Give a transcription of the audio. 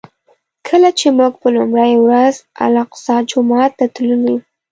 کله چې موږ په لومړي ورځ الاقصی جومات ته تللو.